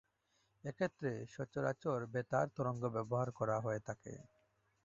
এক্ষেত্রে সচরাচর বেতার তরঙ্গ ব্যবহার করা হয়ে থাকে।